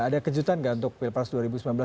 ada kejutan nggak untuk pilpres dua ribu sembilan belas